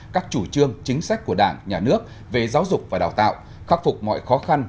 các chủ trương chính sách của đảng nhà nước về giáo dục và đào tạo khắc phục mọi khó khăn